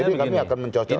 jadi kami akan mencocokkan itu